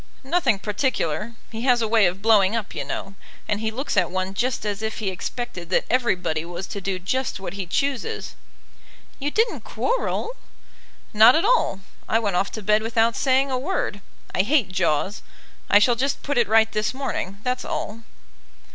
"Nothing particular. He has a way of blowing up, you know; and he looks at one just as if he expected that everybody was to do just what he chooses." "You didn't quarrel?" "Not at all; I went off to bed without saying a word. I hate jaws. I shall just put it right this morning; that's all."